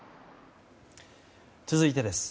続いてです。